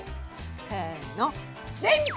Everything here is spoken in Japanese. せの。